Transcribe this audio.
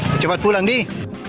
kecepat pulang nih